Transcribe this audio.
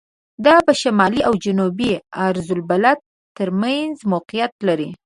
دا په شمالي او جنوبي عرض البلد تر منځ موقعیت لري.